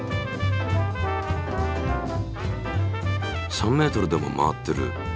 ３ｍでも回ってる。